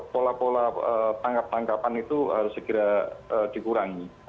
pola pola tangkap tangkapan itu harus segera dikurangi